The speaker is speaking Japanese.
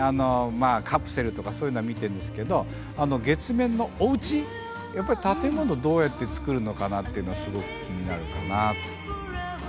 カプセルとかそういうのは見てるんですけど月面のおうちやっぱり建物をどうやって造るのかなっていうのはすごく気になるかな。